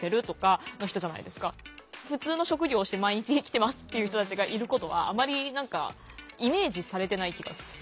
普通の職業をして毎日生きてますっていう人たちがいることはあまり何かイメージされてない気がする。